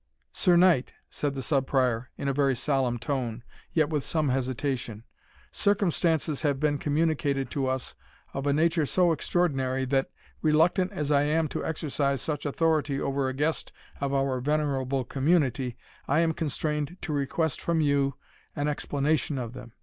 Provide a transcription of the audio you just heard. "Sir Knight," said the Sub Prior, in a very solemn tone, yet with some hesitation, "circumstances have been communicated to us of a nature so extraordinary, that, reluctant as I am to exercise such authority over a guest of our venerable community, I am constrained to request from you an explanation of them.